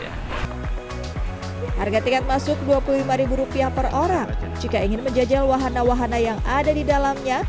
harga tiket masuk rp dua puluh lima per orang jika ingin menjajal wahana wahana yang ada di dalamnya